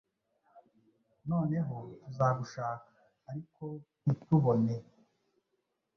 Noneho tuzagushaka, ariko ntitubone.